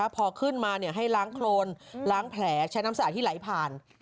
พอขึ้นมาให้ล้างโครนล้างแผลใช้น้ำสะอาดที่ไหลผ่าน